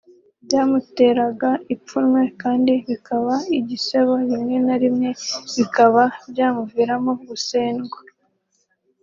byamuteraga ipfunwe kandi bikaba igisebo rimwe na rimwe bikaba byamuviramo gusendwa